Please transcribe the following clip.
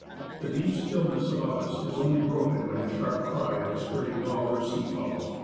The deep stillness about us is only broken by the sharp cry of a stray gull or seafowl.